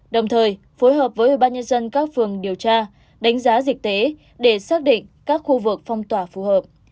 đồng thời phối hợp với ủy ban nhân dân các phường điều tra đánh giá dịch tế để xác định các khu vực phong tỏa phù hợp